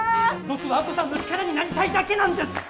僕は亜子さんの力になりたいだけなんです！